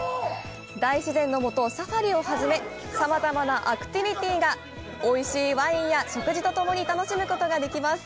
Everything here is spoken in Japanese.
大自然の下、サファリをはじめさまざまなアクティビティがおいしいワインや食事とともに楽しむことができます。